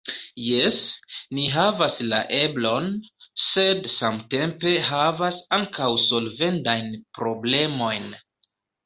Jes, ni havas la eblon, sed samtempe havas ankaŭ solvendajn problemojn.